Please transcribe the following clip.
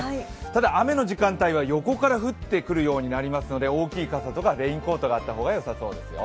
ただ、雨の時間帯は横から降ってくるようになりますので大きい傘とかレインコートがあった方がよさそうですよ。